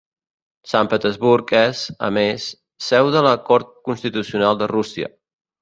Sant Petersburg és, a més, seu de la cort constitucional de Rússia.